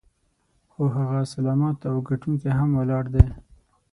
خو هغه سلامت او ګټونکی هم ولاړ دی.